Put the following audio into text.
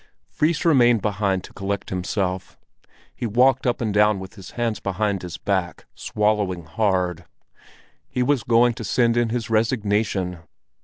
Fris remained behind to collect himself. He walked up and down with his hands behind his back, swallowing hard. He was going to send in his resignation.